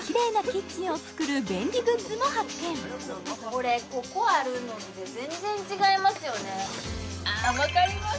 これここあるのって全然違いますよねわかります！